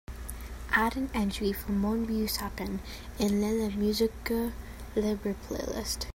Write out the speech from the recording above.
add an entry for mon beau sapin in lela's música libre playlist